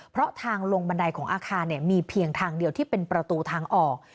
เพราะทางลงบันไดของอาคารมีเพียงทางเดียวที่เป็นประตูทางออก